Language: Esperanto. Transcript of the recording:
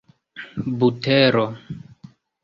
butero